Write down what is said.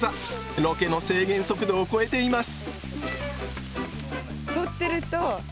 ロケの制限速度を超えています！